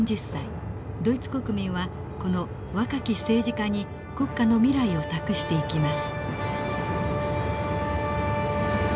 ドイツ国民はこの若き政治家に国家の未来を託していきます。